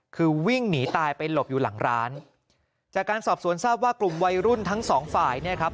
คือวิ่งหนีตายไปหลบอยู่หลังร้านจากการสอบสวนทราบว่ากลุ่มวัยรุ่นทั้งสองฝ่ายเนี่ยครับ